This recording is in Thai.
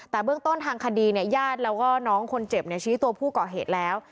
แต่เบื้องต้นทางคดีเนี่ยญาติแล้วก็น้องคนเจ็บชี้ตัวผู้ก่อเหตุแล้ว